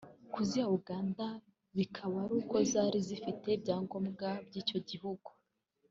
kuziha Uganda bikaba ari uko zari zifite ibyangombwa by’icyo gihugu